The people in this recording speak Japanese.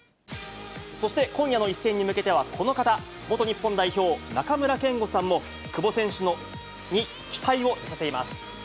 そして今夜の一戦に向けては、この方、元日本代表、中村憲剛さんも久保選手に期待を寄せています。